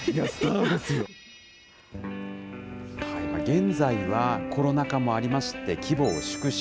現在はコロナ禍もありまして、規模を縮小。